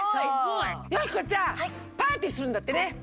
よき子ちゃんパーティーするんだってね。